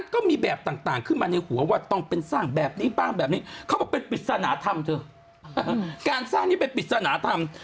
การสร้างนี้เป็นปฏิสนะธรรม